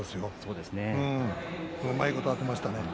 うまいことを当てましたね。